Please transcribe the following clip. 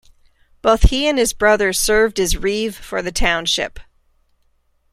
Both he and his brother served as reeve for the township.